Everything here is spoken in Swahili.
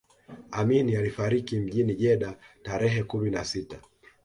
amini alifariki mjini jeddah tarehe kumi na sita